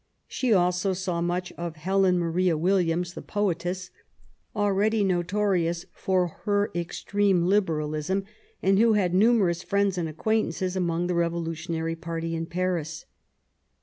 She also saw much of Helen Maria Williams^ the poetess^ already notorious for her extreme liberalism^ and who had numerous friends and acquaintances among the Revolu tionary party in Paris.